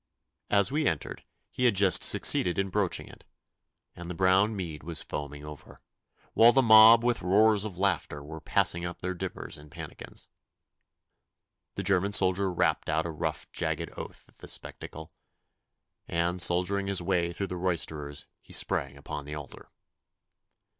As we entered he had just succeeded in broaching it, and the brown mead was foaming over, while the mob with roars of laughter were passing up their dippers and pannikins. The German soldier rapped out a rough jagged oath at this spectacle, and shouldering his way through the roisterers he sprang upon the altar.